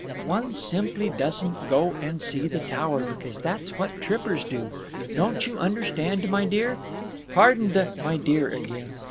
"One simply doesn't go and see the Tower, because that's what trippers do. Don't you understand, my dear? (Pardon the 'my dear' again.)